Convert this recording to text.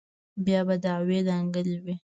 بيا به دعوې دنگلې وې.